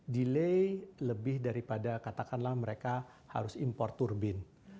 delay lebih daripada katakanlah mereka harus impor turbin